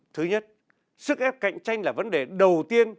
thứ nhất sức ép cạnh tranh là vấn đề đầu tiên